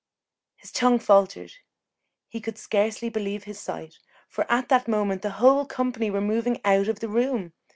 His tongue faltered he could scarcely believe his sight, for at that moment the whole company were moving out of the room.